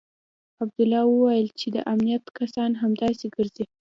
عبدالله وويل چې د امنيت کسان همداسې ګرځي.